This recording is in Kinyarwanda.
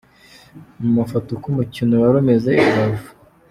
Mu mafoto: uko umukino wari umeze i Rubavu .